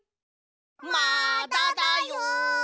まだだよ！